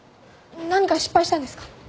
何か失敗したんですか？